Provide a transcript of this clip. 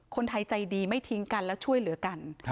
คนไทยใจดีไม่ทิ้งกันและช่วยเหลือกัน